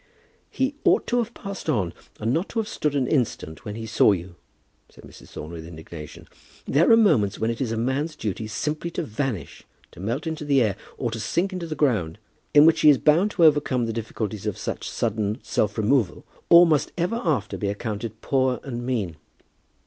"He ought to have passed on and not to have stood an instant when he saw you," said Mrs. Thorne, with indignation. "There are moments when it is a man's duty simply to vanish, to melt into the air, or to sink into the ground, in which he is bound to overcome the difficulties of such sudden self removal, or must ever after be accounted poor and mean."